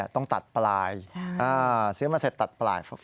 ต้องตัดปลายซื้อมาเสร็จตัดปลาย